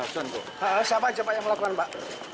siapa aja yang melakukan pak